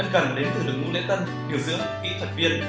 ấn cần đến từ được ngũ lễ tân điều dưỡng kỹ thuật viên